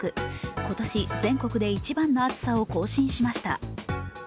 今年、全国で一番の暑さを更新しました。